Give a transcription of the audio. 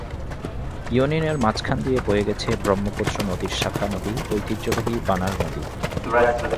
ইউনিয়নের মাঝখান দিয়ে বয়ে গেছে ব্রহ্মপুত্র নদীর শাখা নদী ঐতিহ্যবাহী বানার নদী।